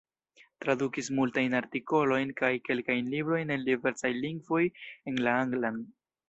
Tradukis multajn artikolojn kaj kelkajn librojn el diversaj lingvoj en la anglan.